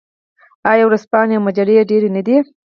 آیا ورځپاڼې او مجلې ډیرې نه دي؟